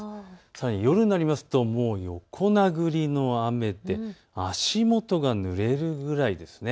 さらに夜になりますともう横殴りの雨で足元がぬれるぐらいですね。